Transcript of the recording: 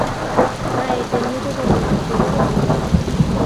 maeten mochokoronikchu akot kitegen